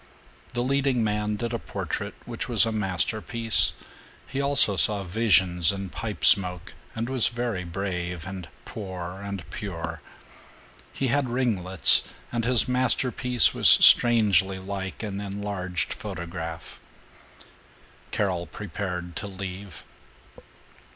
The leading man did a portrait which was a masterpiece. He also saw visions in pipe smoke, and was very brave and poor and pure. He had ringlets, and his masterpiece was strangely like an enlarged photograph. Carol prepared to leave.